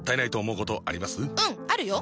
うんあるよ！